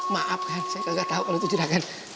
maaf kan saya gak tau kalo itu jerah kan